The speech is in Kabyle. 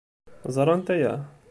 Ẓrant aya?